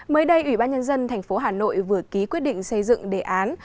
mới đây ủy ban nhân dân tp hà nội vừa ký quyết định xây dựng đề án